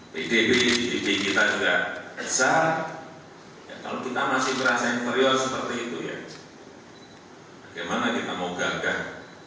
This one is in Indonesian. pdb pd kita juga besar kalau kita masih merasa interior seperti itu ya bagaimana kita mau gagal